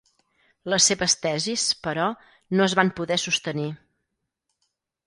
Les seves tesis, però, no es van poder sostenir.